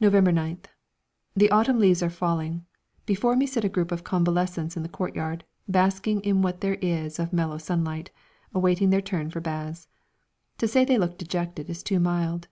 November 9th. The autumn leaves are falling. Before me sit a group of convalescents in the courtyard, basking in what there is of mellow sunlight awaiting their turn for baths. To say they look dejected is too mild.